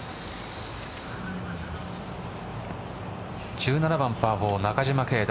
１７番パー４中島啓太